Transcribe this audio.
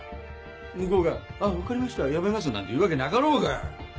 向こうが「あっ分かりましたやめます」なんて言うわけなかろうが！